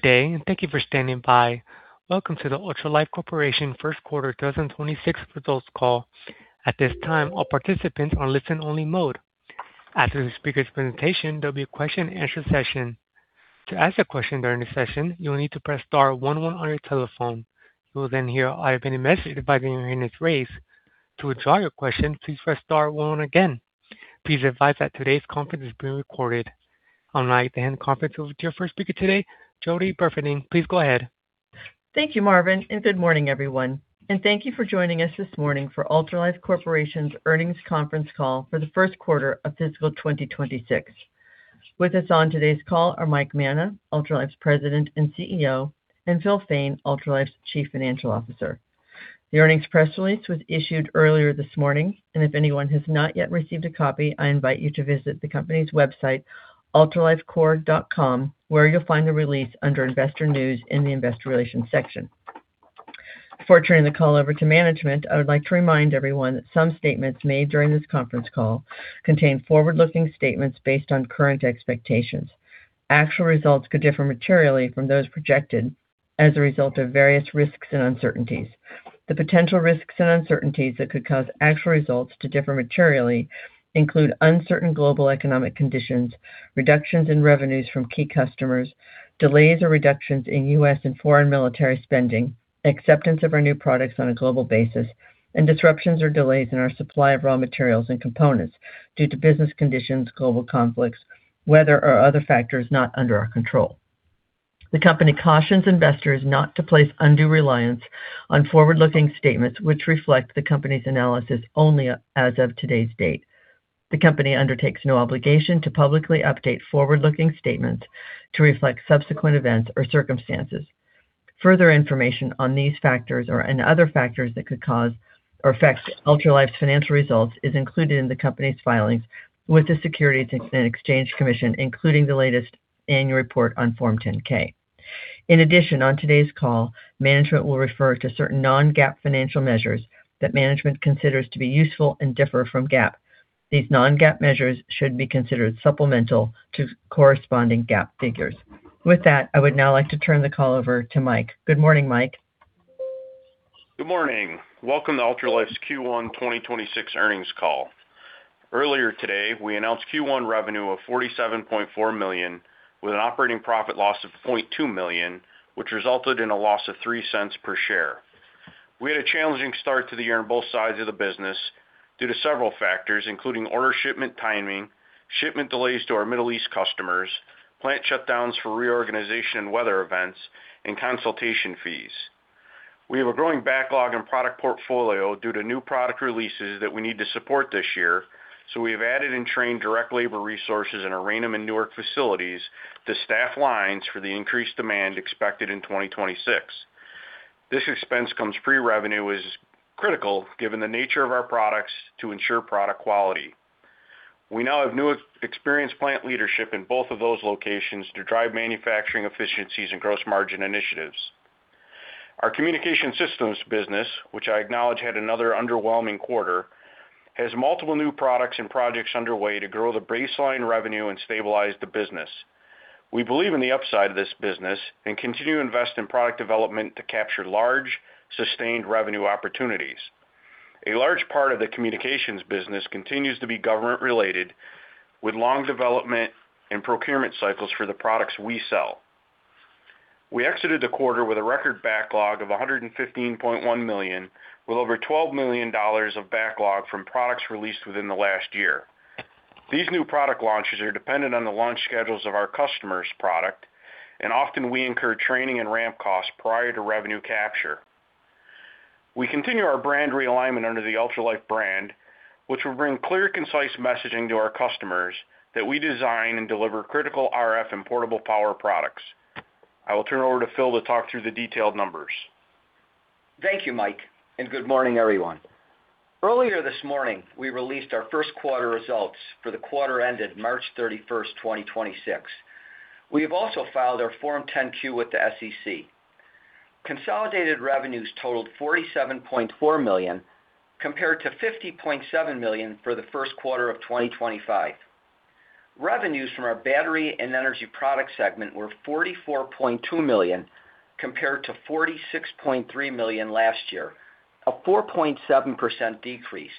Good day, and thank you for standing by. Welcome to the Ultralife Corporation first quarter 2026 results call. At this time, all participants are in listen-only mode. After the speaker's presentation, there'll be a question-and-answer session. To ask a question during the session, you will need to press star one one on your telephone. You will then hear a recorded message advising you when it's raised. To withdraw your question, please press star one again. Please be advised that today's conference is being recorded. I would like to hand the conference over to your first speaker today, Jody Burfening. Please go ahead. Thank you, Marvin. Good morning, everyone. Thank you for joining us this morning for Ultralife Corporation's earnings conference call for the first quarter of fiscal 2026. With us on today's call are Mike Manna, Ultralife's President and CEO, and Phil Fain, Ultralife's Chief Financial Officer. The earnings press release was issued earlier this morning, and if anyone has not yet received a copy, I invite you to visit the company's website, ultralifecorp.com, where you'll find the release under Investor News in the investor relations section. Before turning the call over to management, I would like to remind everyone that some statements made during this conference call contain forward-looking statements based on current expectations. Actual results could differ materially from those projected as a result of various risks and uncertainties. The potential risks and uncertainties that could cause actual results to differ materially include uncertain global economic conditions, reductions in revenues from key customers, delays or reductions in U.S. and foreign military spending, acceptance of our new products on a global basis, and disruptions or delays in our supply of raw materials and components due to business conditions, global conflicts, weather, or other factors not under our control. The company cautions investors not to place undue reliance on forward-looking statements, which reflect the company's analysis only as of today's date. The company undertakes no obligation to publicly update forward-looking statements to reflect subsequent events or circumstances. Further information on these factors and other factors that could cause or affect Ultralife's financial results is included in the company's filings with the Securities and Exchange Commission, including the latest annual report on Form 10-K. In addition, on today's call, management will refer to certain non-GAAP financial measures that management considers to be useful and differ from GAAP. These non-GAAP measures should be considered supplemental to corresponding GAAP figures. With that, I would now like to turn the call over to Mike. Good morning, Mike. Good morning. Welcome to Ultralife's Q1 2026 earnings call. Earlier today, we announced Q1 revenue of $47.4 million, with an operating profit loss of $0.2 million, which resulted in a loss of $0.03 per share. We had a challenging start to the year on both sides of the business due to several factors, including order shipment timing, shipment delays to our Middle East customers, plant shutdowns for reorganization and weather events, and consultation fees. We have a growing backlog and product portfolio due to new product releases that we need to support this year, so we have added and trained direct labor resources in our Raynham and Newark facilities to staff lines for the increased demand expected in 2026. This expense comes pre-revenue, is critical given the nature of our products to ensure product quality. We now have new experienced plant leadership in both of those locations to drive manufacturing efficiencies and gross margin initiatives. Our Communications Systems business, which I acknowledge had another underwhelming quarter, has multiple new products and projects underway to grow the baseline revenue and stabilize the business. We believe in the upside of this business and continue to invest in product development to capture large, sustained revenue opportunities. A large part of the communications business continues to be government-related, with long development and procurement cycles for the products we sell. We exited the quarter with a record backlog of $115.1 million, with over $12 million of backlog from products released within the last one year. Often we incur training and ramp costs prior to revenue capture. We continue our brand realignment under the Ultralife brand, which will bring clear, concise messaging to our customers that we design and deliver critical RF and portable power products. I will turn it over to Phil to talk through the detailed numbers. Thank you, Mike, and good morning, everyone. Earlier this morning, we released our first quarter results for the quarter ended March 31st, 2026. We have also filed our Form 10-Q with the SEC. Consolidated revenues totaled $47.4 million, compared to $50.7 million for the first quarter of 2025. Revenues from our Battery & Energy Products segment were $44.2 million, compared to $46.3 million last year, a 4.7% decrease.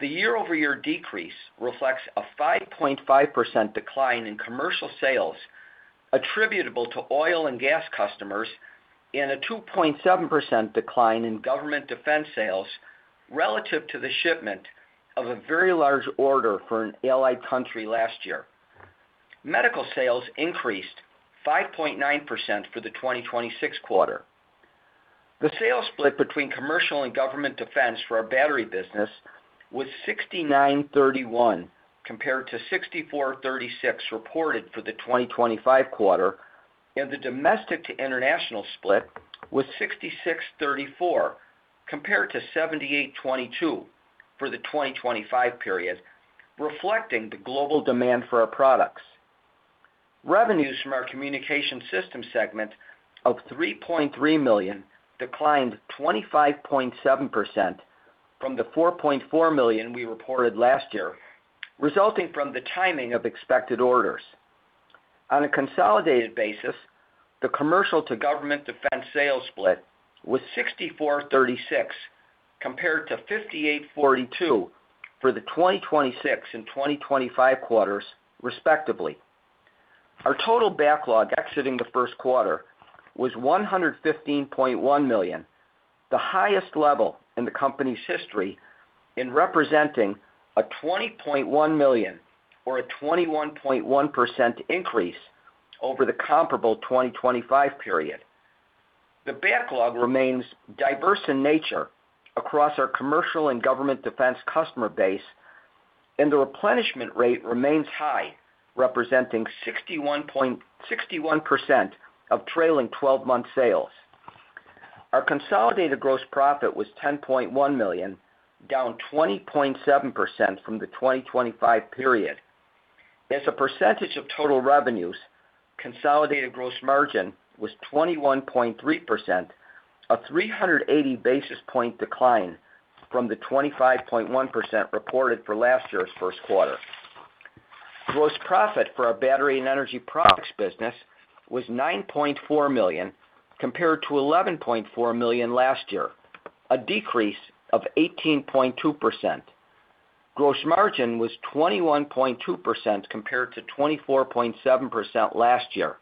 The year-over-year decrease reflects a 5.5% decline in commercial sales attributable to oil and gas customers and a 2.7% decline in government defense sales relative to the shipment of a very large order for an allied country last year. Medical sales increased 5.9% for the 2026 quarter. The sales split between commercial and government defense for our battery business was 69/31, compared to 64/36 reported for the 2025 quarter, and the domestic to international split was 66/34, compared to 78/22 for the 2025 period, reflecting the global demand for our products. Revenues from our Communications Systems segment of $3.3 million declined 25.7% from the $4.4 million we reported last year, resulting from the timing of expected orders. On a consolidated basis, the commercial to government defense sales split was 64/36, compared to 58/42 for the 2026 and 2025 quarters respectively. Our total backlog exiting the first quarter was $115.1 million, the highest level in the company's history and representing a $20.1 million or a 21.1% increase over the comparable 2025 period. The backlog remains diverse in nature across our commercial and government defense customer base, and the replenishment rate remains high, representing 61% of trailing 12-month sales. Our consolidated gross profit was $10.1 million, down 20.7% from the 2025 period. As a percentage of total revenues, consolidated gross margin was 21.3%, a 380 basis point decline from the 25.1% reported for last year's first quarter. Gross profit for our Battery & Energy Products segment was $9.4 million compared to $11.4 million last year, a decrease of 18.2%. Gross margin was 21.2% compared to 24.7% last year.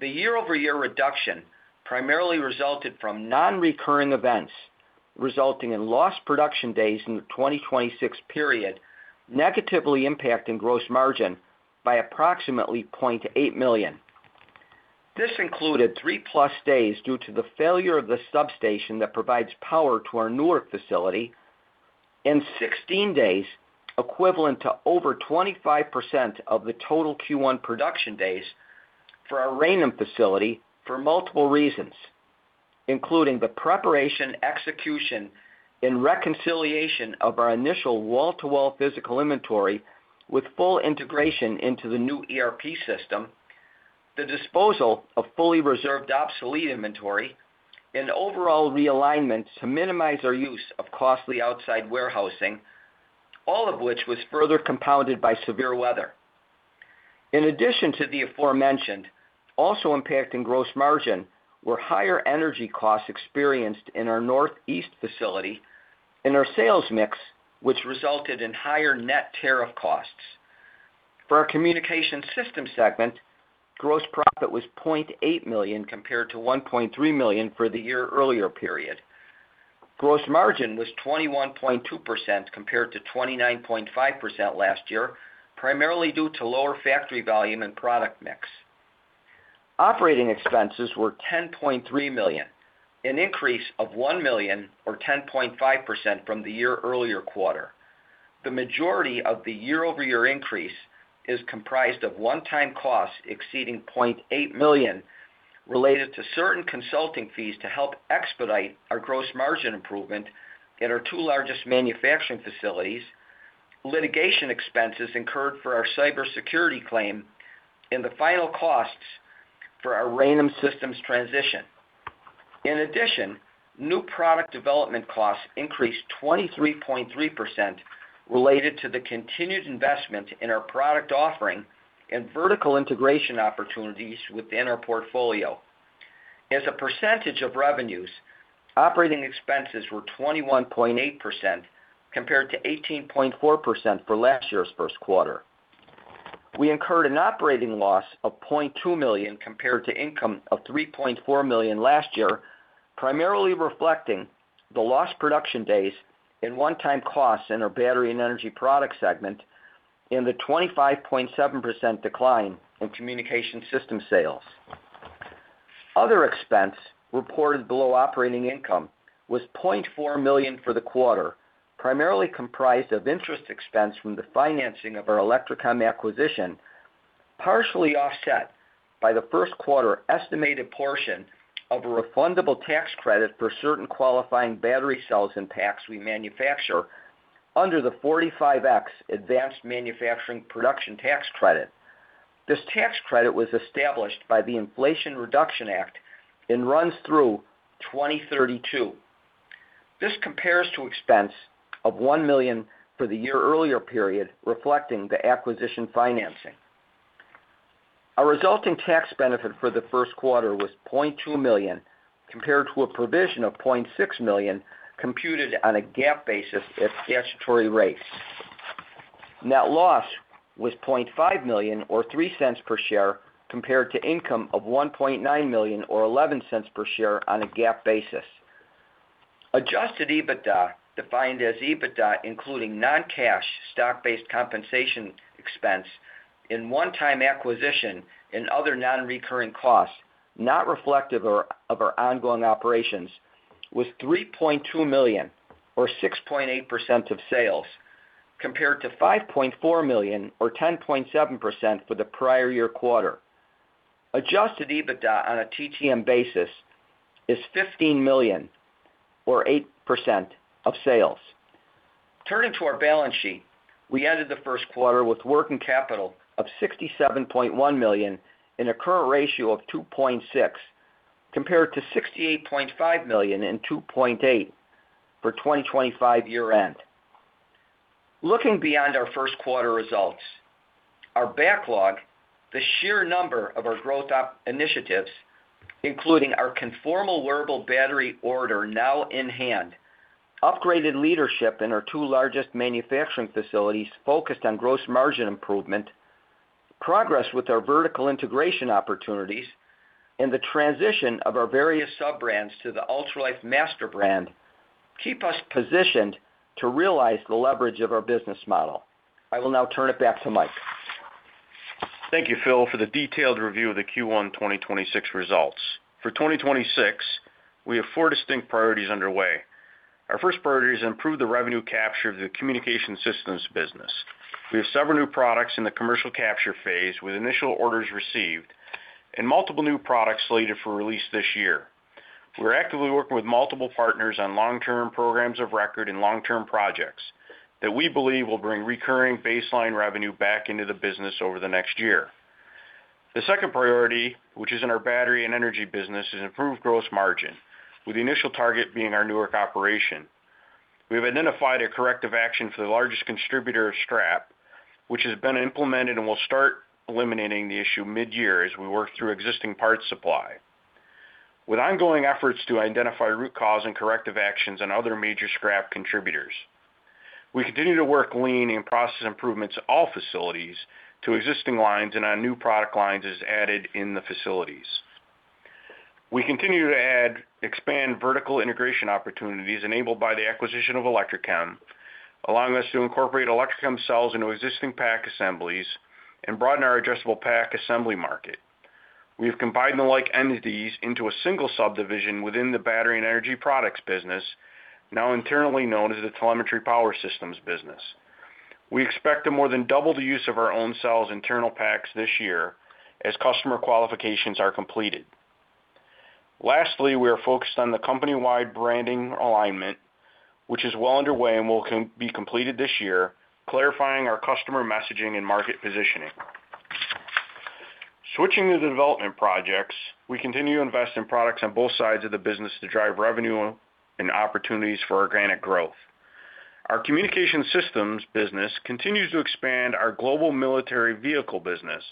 The year-over-year reduction primarily resulted from non-recurring events, resulting in lost production days in the 2026 period, negatively impacting gross margin by approximately $0.8 million. This included 3+ days due to the failure of the substation that provides power to our Newark facility, and 16 days equivalent to over 25% of the total Q1 production days for our Raynham facility for multiple reasons, including the preparation, execution, and reconciliation of our initial wall-to-wall physical inventory with full integration into the new ERP system, the disposal of fully reserved obsolete inventory, and overall realignment to minimize our use of costly outside warehousing, all of which was further compounded by severe weather. In addition to the aforementioned, also impacting gross margin were higher energy costs experienced in our Northeast facility and our sales mix, which resulted in higher net tariff costs. For our Communications Systems segment, gross profit was $0.8 million compared to $1.3 million for the year earlier period. Gross margin was 21.2% compared to 29.5% last year, primarily due to lower factory volume and product mix. Operating expenses were $10.3 million, an increase of $1 million or 10.5% from the year earlier quarter. The majority of the year-over-year increase is comprised of one-time costs exceeding $0.8 million related to certain consulting fees to help expedite our gross margin improvement in our two largest manufacturing facilities, litigation expenses incurred for our cybersecurity claim, and the final costs for our Raynham systems transition. In addition, new product development costs increased 23.3% related to the continued investment in our product offering and vertical integration opportunities within our portfolio. As a percentage of revenues, operating expenses were 21.8% compared to 18.4% for last year's first quarter. We incurred an operating loss of $0.2 million compared to income of $3.4 million last year, primarily reflecting the lost production days and one-time costs in our Battery & Energy Products segment and the 25.7% decline in Communications Systems sales. Other expense reported below operating income was $0.4 million for the quarter, primarily comprised of interest expense from the financing of our Electrochem acquisition, partially offset by the first quarter estimated portion of a refundable tax credit for certain qualifying battery cells and packs we manufacture under the 45X Advanced Manufacturing Production Tax Credit. This tax credit was established by the Inflation Reduction Act and runs through 2032. This compares to expense of $1 million for the year earlier period, reflecting the acquisition financing. Our resulting tax benefit for the first quarter was $0.2 million compared to a provision of $0.6 million computed on a GAAP basis at statutory rates. Net loss was $0.5 million or $0.03 per share compared to income of $1.9 million or $0.11 per share on a GAAP basis. Adjusted EBITDA, defined as EBITDA, including non-cash stock-based compensation expense in one-time acquisition and other non-recurring costs, not reflective of our ongoing operations, was $3.2 million or 6.8% of sales, compared to $5.4 million or 10.7% for the prior year quarter. Adjusted EBITDA on a TTM basis is $15 million or 8% of sales. Turning to our balance sheet, we ended the first quarter with working capital of $67.1 million and a current ratio of 2.6. Compared to $68.5 million and 2.8 for 2025 year end. Looking beyond our first quarter results, our backlog, the sheer number of our growth op initiatives, including our conformal wearable battery order now in hand, upgraded leadership in our two largest manufacturing facilities focused on gross margin improvement, progress with our vertical integration opportunities, and the transition of our various sub-brands to the Ultralife master brand, keep us positioned to realize the leverage of our business model. I will now turn it back to Mike. Thank you, Phil, for the detailed review of the Q1 2026 results. For 2026, we have four distinct priorities underway. Our first priority is to improve the revenue capture of the Communications Systems business. We have several new products in the commercial capture phase with initial orders received and multiple new products slated for release this year. We're actively working with multiple partners on long-term programs of record and long-term projects that we believe will bring recurring baseline revenue back into the business over the next year. The second priority, which is in our Battery & Energy Products business, is improved gross margin, with the initial target being our Newark operation. We have identified a corrective action for the largest contributor of scrap, which has been implemented and will start eliminating the issue mid-year as we work through existing parts supply. With ongoing efforts to identify root cause and corrective actions on other major scrap contributors, we continue to work lean in process improvements at all facilities to existing lines and on new product lines as added in the facilities. We continue to add, expand vertical integration opportunities enabled by the acquisition of Electrochem, allowing us to incorporate Electrochem cells into existing pack assemblies and broaden our adjustable pack assembly market. We have combined the like entities into a single subdivision within the Battery and Energy Products business, now internally known as the Telemetry Power Systems business. We expect to more than double the use of our own cells internal packs this year as customer qualifications are completed. Lastly, we are focused on the company-wide branding alignment, which is well underway and will be completed this year, clarifying our customer messaging and market positioning. Switching to development projects, we continue to invest in products on both sides of the business to drive revenue and opportunities for organic growth. Our communication systems business continues to expand our global military vehicle business,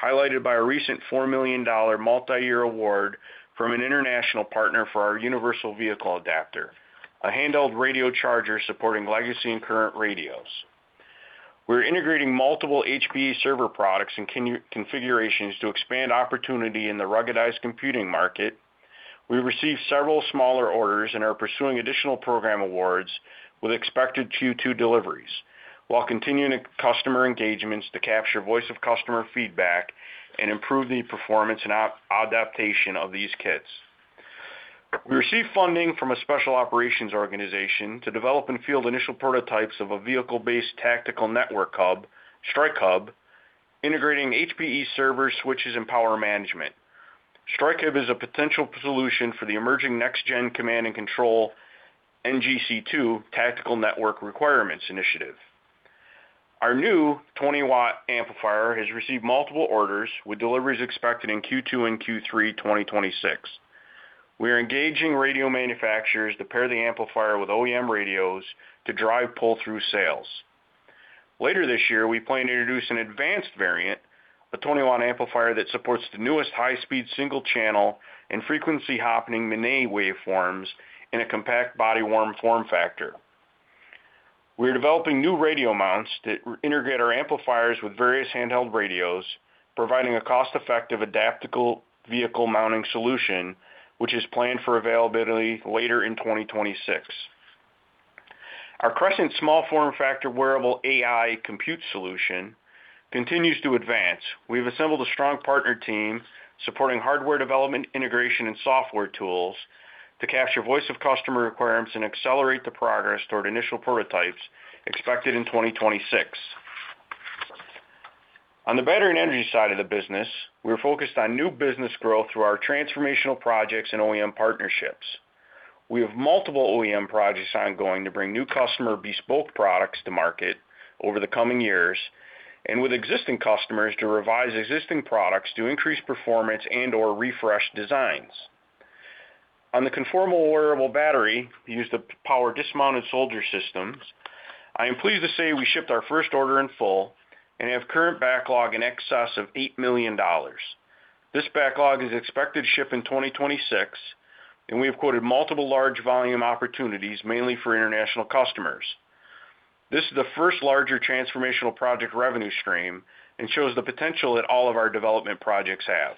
highlighted by a recent $4 million multi-year award from an international partner for our Universal Vehicle Adapter, a handheld radio charger supporting legacy and current radios. We're integrating multiple HPE server products and configurations to expand opportunity in the ruggedized computing market. We received several smaller orders and are pursuing additional program awards with expected Q2 deliveries, while continuing customer engagements to capture voice-of-customer feedback and improve the performance and adaptation of these kits. We received funding from a special operations organization to develop and field initial prototypes of a vehicle-based tactical network hub, StrikeHub, integrating HPE servers, switches, and power management. StrikeHub is a potential solution for the emerging Next Generation Command and Control NGC2 tactical network requirements initiative. Our new 20 W amplifier has received multiple orders, with deliveries expected in Q2 and Q3 2026. We are engaging radio manufacturers to pair the amplifier with OEM radios to drive pull-through sales. Later this year, we plan to introduce an advanced variant, a 20 W amplifier that supports the newest high-speed single-channel and frequency-hopping MANET waveforms in a compact body-worn form factor. We are developing new radio mounts to integrate our amplifiers with various handheld radios, providing a cost-effective adaptable vehicle mounting solution, which is planned for availability later in 2026. Our Crescent small form factor wearable AI compute solution continues to advance. We've assembled a strong partner team supporting hardware development, integration, and software tools to capture voice-of-customer requirements and accelerate the progress toward initial prototypes expected in 2026. On the battery and energy side of the business, we're focused on new business growth through our transformational projects and OEM partnerships. We have multiple OEM projects ongoing to bring new customer bespoke products to market over the coming years, and with existing customers to revise existing products to increase performance and/or refresh designs. On the conformal wearable battery used to power dismounted soldier systems, I am pleased to say we shipped our first order in full and have current backlog in excess of $8 million. This backlog is expected to ship in 2026, and we have quoted multiple large volume opportunities, mainly for international customers. This is the first larger transformational project revenue stream and shows the potential that all of our development projects have.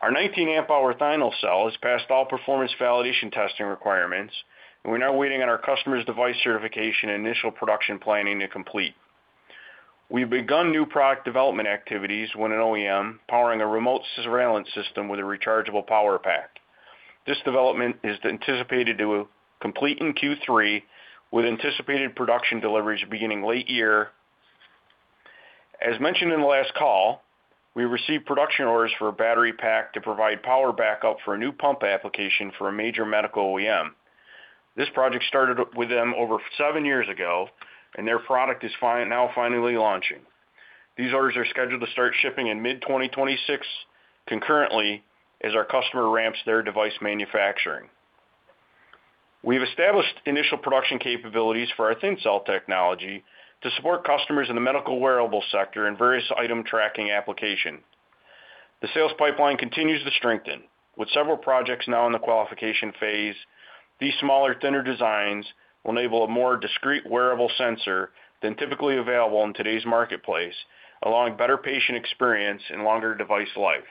Our 19 amp hour thionyl cell has passed all performance validation testing requirements, and we're now waiting on our customer's device certification and initial production planning to complete. We've begun new product development activities with an OEM powering a remote surveillance system with a rechargeable power pack. This development is anticipated to complete in Q3 with anticipated production deliveries beginning late year. As mentioned in the last call, we received production orders for a battery pack to provide power backup for a new pump application for a major medical OEM. This project started with them over seven years ago, and their product is now finally launching. These orders are scheduled to start shipping in mid 2026 concurrently as our customer ramps their device manufacturing. We've established initial production capabilities for our Thin Cell technology to support customers in the medical wearable sector and various item tracking application. The sales pipeline continues to strengthen with several projects now in the qualification phase. These smaller, thinner designs will enable a more discreet wearable sensor than typically available in today's marketplace, allowing better patient experience and longer device life.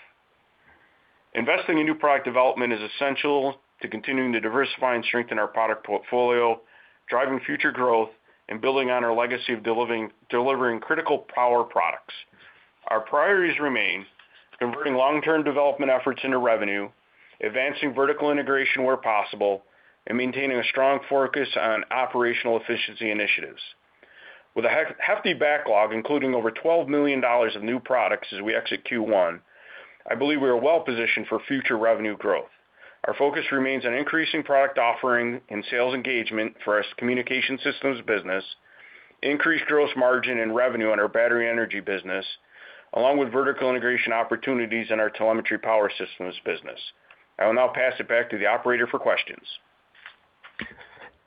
Investing in new product development is essential to continuing to diversify and strengthen our product portfolio, driving future growth, and building on our legacy of delivering critical power products. Our priorities remain converting long-term development efforts into revenue, advancing vertical integration where possible, and maintaining a strong focus on operational efficiency initiatives. With a hefty backlog, including over $12 million of new products as we exit Q1, I believe we are well positioned for future revenue growth. Our focus remains on increasing product offering and sales engagement for our Communications Systems business, increased gross margin and revenue on our Battery Energy business, along with vertical integration opportunities in our Telemetry Power Systems business. I will now pass it back to the operator for questions.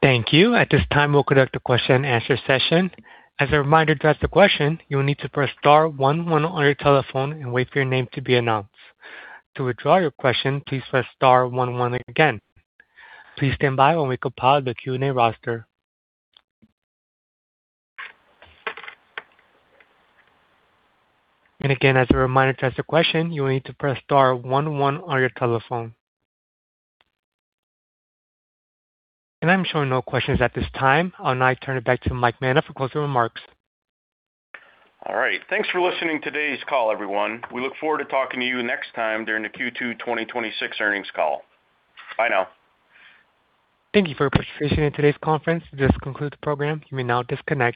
Thank you. At this time, we'll conduct a question and answer session. As a reminder to ask the question, you will need to press star one one on your telephone and wait for your name to be announced. To withdraw your question, please press star one one again. Please stand by while we compile the Q&A roster. Again, as a reminder to ask a question, you will need to press star one one on your telephone. I'm showing no questions at this time. I'll now turn it back to Mike Manna for closing remarks. All right. Thanks for listening today's call, everyone. We look forward to talking to you next time during the Q2 2026 earnings call. Bye now. Thank you for your participation in today's conference. This concludes the program. You may now disconnect.